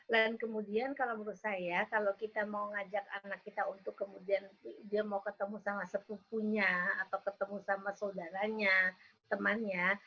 kemudian kalau menurut saya kalau kita mau ngajak anak kita untuk kemudian dia mau ketemu sama sepupunya atau ketemu sama saudaranya temannya